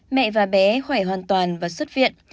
mẹ và bé khỏe hoàn toàn và xuất viện